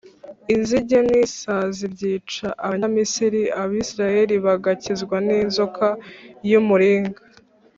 Inzige n’isazi byica Abanyamisiri; Abayisraheli bagakizwa n’inzoka y’umuringa